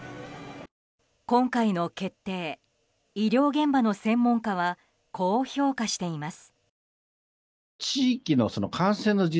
今回の決定、医療現場の専門家はこう評価しています。